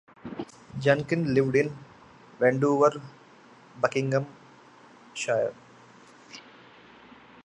Junkin lived in Wendover, Buckinghamshire.